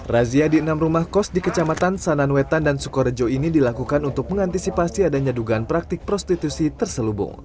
razia di enam rumah kos di kecamatan sananwetan dan sukorejo ini dilakukan untuk mengantisipasi adanya dugaan praktik prostitusi terselubung